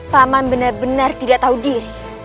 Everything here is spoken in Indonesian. paman benar benar tidak tahu diri